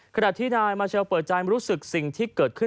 ขณะที่นายมาเชลเปิดใจรู้สึกสิ่งที่เกิดขึ้น